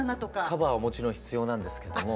カバーはもちろん必要なんですけども。